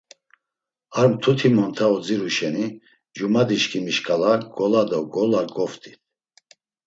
Ar mtuti monta odziru şeni cumadişǩimi şǩala ngola do ngola goft̆it.